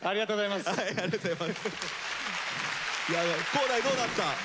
浩大どうだった？